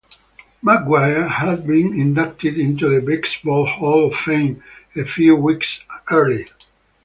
McGuire had been inducted into the Basketball Hall of Fame a few weeks earlier.